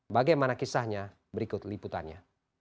bagaimana kisahnya berikut liputannya